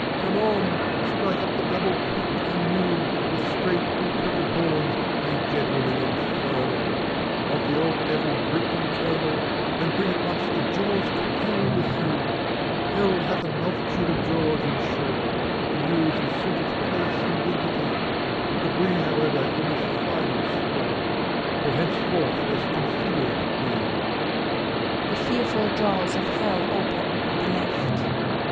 Come on ! Strike up the double quick, anew, With straight or crooked horns, ye gentlemen infernal ! Of the old Devil grit and kernel, And bring at once the Jaws of Hell with you ! Hell hath a multitude of jaws, in short. To use as suiteth place and dignity; But we, however, in this final sport. g44 FAUST. Will henceforth less considerate be. {The fearful Jaws of Hell open, on the left.)